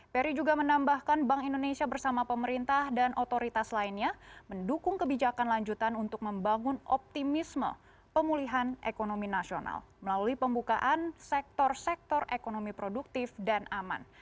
peri juga menambahkan bank indonesia bersama pemerintah dan otoritas lainnya mendukung kebijakan lanjutan untuk membangun optimisme pemulihan ekonomi nasional melalui pembukaan sektor sektor ekonomi produktif dan aman